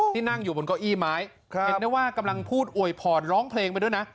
นั่งอยู่บนเก้าอี้ไม้เห็นได้ว่ากำลังพูดอวยพรร้องเพลงไปด้วยนะ